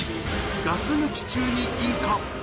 ガス抜き中に引火。